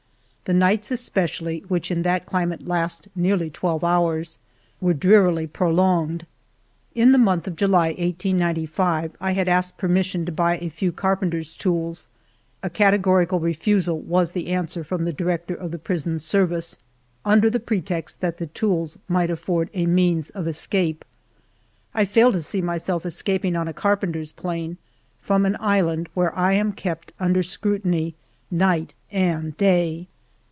The nights especially, which in that climate last nearly twelve hours, were drearily prolonged. In the month of July, 1895, I had asked permission to buy a few carpenter's tools; a categorical refusal was the answer from the di rector of the prison service, under the pretext that the tools might afford means of escape. I fail to see myself escaping on a carpenter's plane from an island where I am kept under scrutiny night and day.